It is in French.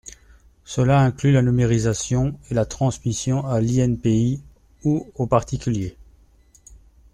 Cela inclut la numérisation et la transmission à l’INPI ou aux particuliers.